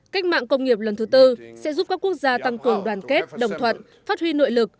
cách mạng công nghiệp lần thứ tư sẽ giúp các quốc gia tăng cường đoàn kết đồng thuận phát huy nội lực